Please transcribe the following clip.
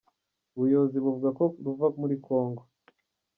Ubuyobozi buvuga ko ruva muri Congo.